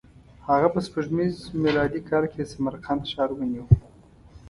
هغه په سپوږمیز میلادي کال کې د سمرقند ښار ونیو.